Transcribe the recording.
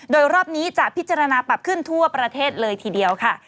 โดยรอบนี้จะพิจารณาปรับขึ้นทั่วประเทศเลยทีเดียวค่ะ